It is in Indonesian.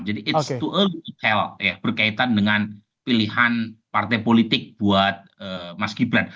jadi it s too early to tell ya berkaitan dengan pilihan partai politik buat mas gibran